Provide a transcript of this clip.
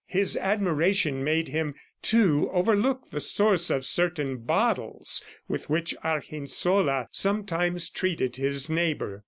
His admiration made him, too, overlook the source of certain bottles with which Argensola sometimes treated his neighbor.